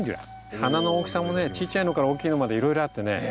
花の大きさもねちいちゃいのから大きいのまでいろいろあってね。